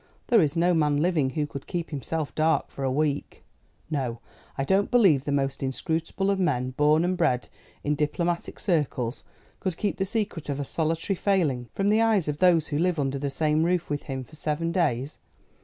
There is no man living who could keep himself dark for a week. No; I don't believe the most inscrutable of men, born and bred in diplomatic circles, could keep the secret of a solitary failing from the eyes of those who live under the same roof with him for seven days.